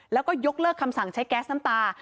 แล้วก็ยกเลิกคำสั่งใช้แก๊สน้ำตา